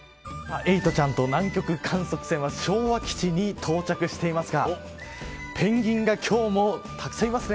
エイトちゃんと南極観測船は昭和基地に到着していますがペンギンが今日もたくさんいますね。